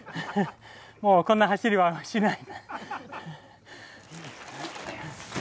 もうこんな走りはしない。